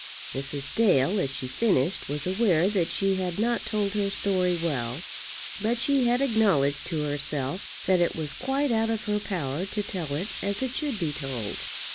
Mrs. Dale, as she finished, was aware that she had not told her story well, but she had acknowledged to herself that it was quite out of her power to tell it as it should be told.